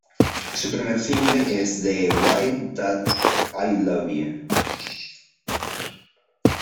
Su primer single es The Way That I Love You.